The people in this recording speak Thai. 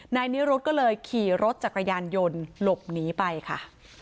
นายนิรุธก็เลยขี่รถจักรยานยนต์หลบหนีไปค่ะ